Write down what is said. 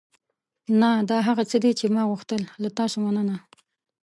نه، دا هغه څه دي چې ما غوښتل. له تاسو مننه.